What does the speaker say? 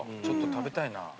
ちょっと食べたいな。